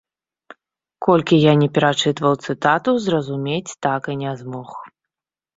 Колькі я ні перачытваў цытату, зразумець так і не змог.